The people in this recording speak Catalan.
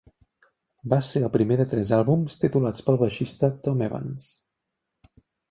Va ser el primer de tres àlbums titulats pel baixista Tom Evans.